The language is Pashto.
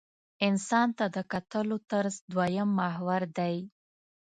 انسان ته د کتلو طرز دویم محور دی.